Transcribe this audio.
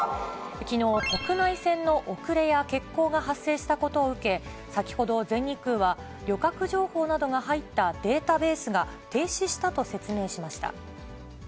きのう、国内線の遅れや欠航が発生したことを受け、先ほど全日空は、旅客情報などが入ったデータベースが停止したと説明しました。